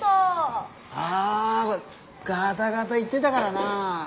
あガタガタいってだがらなあ。